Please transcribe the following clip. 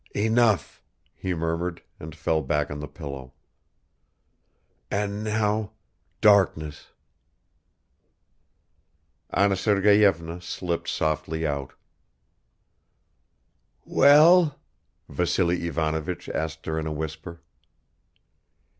"Enough," he murmured, and fell back on the pillow. "And now ... darkness ..." Anna Sergeyevna slipped softly out. "Well?" Vassily Ivanovich asked her in a whisper.